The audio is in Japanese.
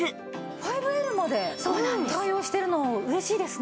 ５Ｌまで対応してるの嬉しいですね。